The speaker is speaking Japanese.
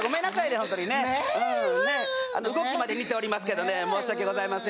ホントにね動きまで似ておりますけどね申し訳ございません